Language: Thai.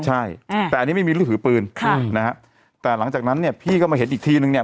ใช่แต่อันนี้ไม่มีเรื่องถือปืนค่ะนะฮะแต่หลังจากนั้นเนี่ยพี่ก็มาเห็นอีกทีนึงเนี่ย